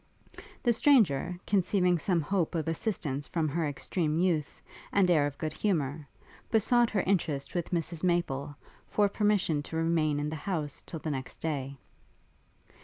The stranger, conceiving some hope of assistance from her extreme youth, and air of good humour, besought her interest with Mrs Maple for permission to remain in the house till the next day.